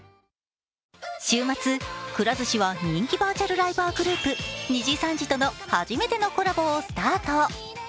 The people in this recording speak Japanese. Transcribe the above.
週末くら寿司は人気バーチォルライバーグループ、にじさんじとの初めてのコラボをスタート。